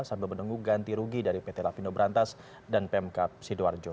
sambil menunggu ganti rugi dari pt lapindo berantas dan pemkap sidoarjo